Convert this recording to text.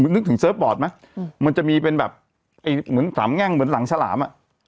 นึกถึงเซิร์ฟบอร์ดไหมมันจะมีเป็นแบบไอ้เหมือนสามแง่งเหมือนหลังฉลามอ่ะ